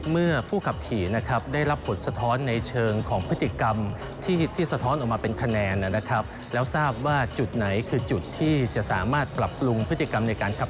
เมื่อผู้ขับขี่ได้รับผลสะท้อนในเชิงของพฤติกรรม